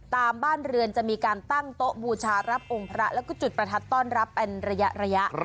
บ้านเรือนจะมีการตั้งโต๊ะบูชารับองค์พระแล้วก็จุดประทัดต้อนรับเป็นระยะ